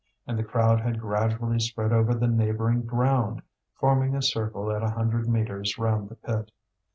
And the crowd had gradually spread over the neighbouring ground, forming a circle at a hundred metres round the pit.